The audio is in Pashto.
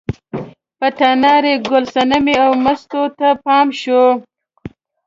په تنار یې ګل صنمې او مستو ته پام شو.